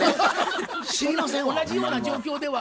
同じような状況では？